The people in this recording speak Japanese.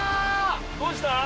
どうした？